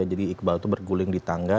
jadi iqbal itu berguling di tangga